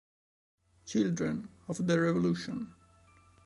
Children of the Revolution